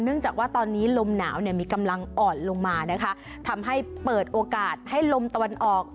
จากว่าตอนนี้ลมหนาวเนี่ยมีกำลังอ่อนลงมานะคะทำให้เปิดโอกาสให้ลมตะวันออก